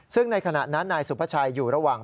ซึ่งในขณะนั้นนายสุภาชัยอยู่ระหว่าง